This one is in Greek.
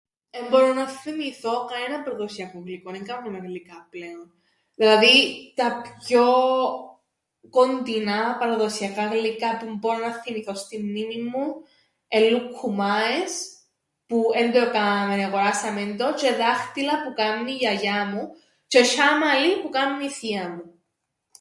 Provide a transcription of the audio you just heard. Εν μπορώ να θθυμηθώ κανέναν παραδοσιακόν γλυκόν, εν κάμνουμεν γλυκά πλέον, δηλαδή τα πιο κοντινά παραδοσιακά γλυκά που μπόρω να θθυμηθώ στην μνήμην μου εν' λουκκουμάες, που εν το εκάμαμεν, εγοράσαμεν το, τžαι δάχτυλα που κάμνει η γιαγιά μου τžαι σ̆άμαλιν, που κάμνει η θεία μου.